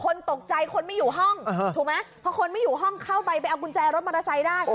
คนตกใจคนไม่อยู่ห้องถูกไหมพอคนไม่อยู่ห้องเข้าไปไปเอากุญแจรถมอเตอร์ไซค์ได้